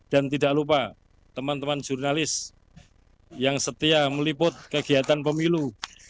dan tidak lupa teman teman jurnalis yang setia meliput kegiatan pemilu